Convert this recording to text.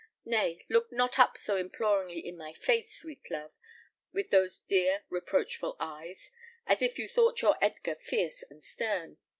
Nay, look not up so imploringly in my face, sweet love, with those dear reproachful eyes, as if you thought your Edgar fierce and stern.